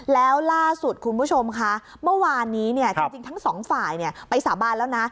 แล้วล่าสุดคุณผู้ชมค่ะเมื่อวานนี้จริงทั้งสองฝ่ายไปสาบานแล้วนะ